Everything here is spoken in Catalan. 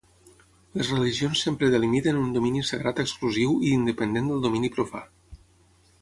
Les religions sempre delimiten un domini sagrat exclusiu i independent del domini profà.